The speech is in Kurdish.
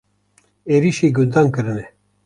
Êrişî gundan kirine.